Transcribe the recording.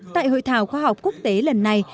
tại hội thảo khoa học quốc tế lần này